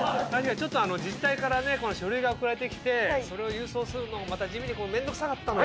自治体から書類が送られて来てそれを郵送するのもまた地味に面倒くさかったのよ。